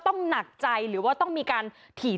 ทีนี้จากรายทื่อของคณะรัฐมนตรี